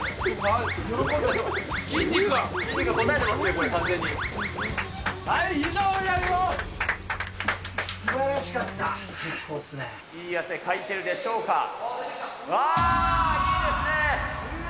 いい汗かいてるでしょうか。